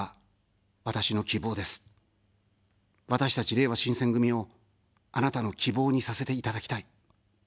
私たち、れいわ新選組を、あなたの希望にさせていただきたい。